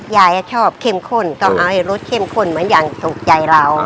ยายชอบเข้มข้นต้องเอารสเข้มข้นเหมือนอย่างตกใจเรา